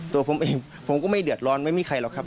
ตัวผมเองผมก็ไม่เดือดร้อนไม่มีใครหรอกครับ